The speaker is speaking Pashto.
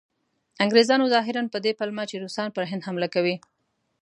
انګریزانو ظاهراً په دې پلمه چې روسان پر هند حمله کوي.